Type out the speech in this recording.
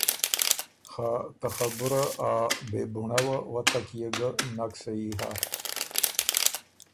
خه ته خبُره ا بې بُونړؤه وتک يې ګه نک سهی هۀ۔